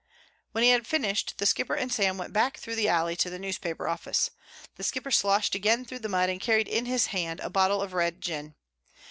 When he had finished The Skipper and Sam went back through the alley to the newspaper office. The Skipper sloshed again through the mud and carried in his hand a bottle of red gin.